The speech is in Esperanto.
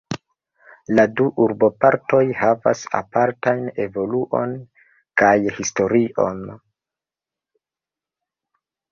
La du urbopartoj havas apartajn evoluon kaj historion.